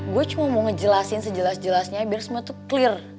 gue cuma mau ngejelasin sejelas jelasnya biar semua tuh clear